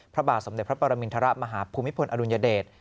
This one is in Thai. พระบาทสมเด็จพระปรมินทรมาฮภูมิพลอดุลยเดช